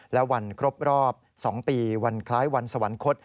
และวันครบรอบ๒ปีวันคล้ายวันสวรรคต